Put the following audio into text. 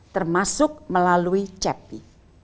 termasuk melalui cepi